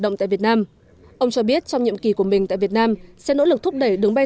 động tại việt nam ông cho biết trong nhiệm kỳ của mình tại việt nam sẽ nỗ lực thúc đẩy đường bay